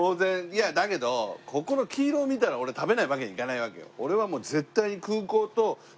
いやだけどここの黄色を見たら俺食べないわけにいかないわけよ。